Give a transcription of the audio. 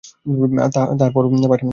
তাহার পর পাঁচটা কথা আসিয়া পড়িল।